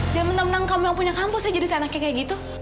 jangan menang menang kamu yang punya kampus ya jadi seenaknya kayak gitu